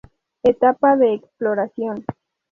Etapa de exploración.